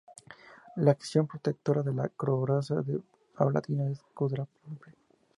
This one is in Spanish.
La acción protectora de la coraza de ablativo es cuádruple.